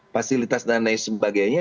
fasilitas dan lain sebagainya